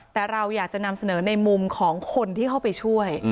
แต่เราอยากจะนำเสนอในมุมของคนที่เข้าไปช่วย